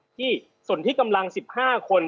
ที่ส่วนที่กำลัง๑๕คน